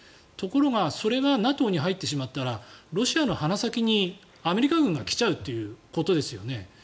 ところが、それがＮＡＴＯに入ってしまったらロシアの鼻先にアメリカ軍が来ちゃうということですよね。